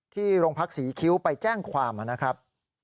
ที่โรงพักศรีคิ้วไปแจ้งความนะครับ